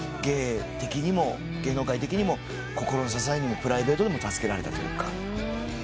芸的にも芸能界的にも心の支えにもプライベートでも助けられたというか。